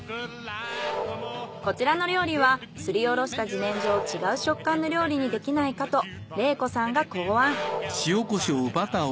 こちらの料理はすりおろした自然薯を違う食感の料理にできないかと礼子さんが考案。